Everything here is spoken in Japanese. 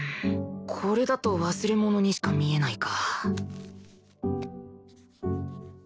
これだと忘れ物にしか見えないか